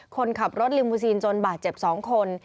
คนขับรถลิมมูซีนจนบาดเจ็บ๒คน